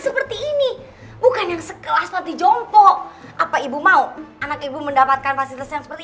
seperti ini bukan yang sekelas nanti jompo apa ibu mau anak ibu mendapatkan fasilitas yang seperti